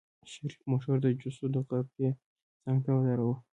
شريف موټر د جوسو د غرفې څنګ ته ودروه.